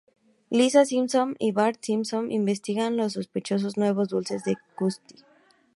Lisa simpson y Bart simpson investigan los sospechosos nuevos dulces de Krusty.